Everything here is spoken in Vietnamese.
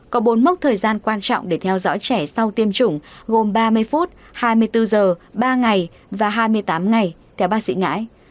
có bốn mốc thời gian quan trọng để theo dõi trẻ sau tiêm chủng gồm ba mươi phút hai mươi bốn h ba ngày và hai mươi tám ngày theo bác sĩ ngãi